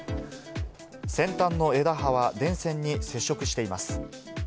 先端の枝葉は電線に接触しています。